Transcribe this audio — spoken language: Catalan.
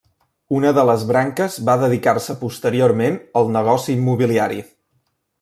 Una de les branques va dedicar-se posteriorment al negoci immobiliari.